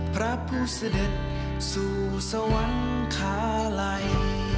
พระผู้เสด็จสู่สวรรคาลัย